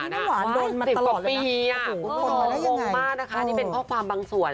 คุณน้ำหวานโดนมาตลอดเลยนะโดนมาได้ยังไงโดนมากนะคะนี่เป็นข้อความบางส่วน